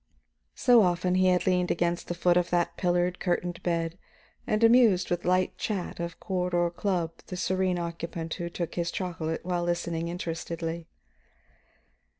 So often he had leaned against the foot of that pillared, curtained bed and amused with light chat of court or club the serene occupant who took his chocolate while listening interestedly.